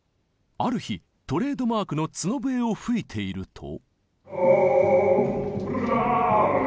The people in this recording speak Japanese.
ある日トレードマークの角笛を吹いていると。